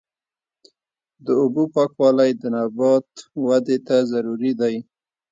د اوبو پاکوالی د نبات ودې ته ضروري دی.